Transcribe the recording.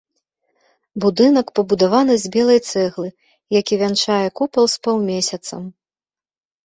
Будынак пабудаваны з белай цэглы, які вянчае купал з паўмесяцам.